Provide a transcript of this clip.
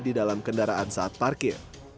di dalam kendaraan saat parkir